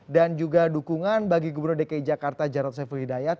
dan juga dukungan bagi gubernur dki jakarta jarod sefer hidayat